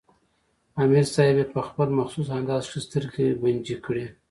امیر صېب پۀ خپل مخصوص انداز کښې سترګې بنجې کړې